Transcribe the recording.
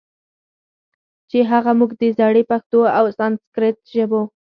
چې هغه موږ د زړې پښتو او سانسکریت ژبو